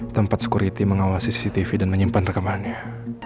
tempat security mengawasi cctv dan menyimpan rekamannya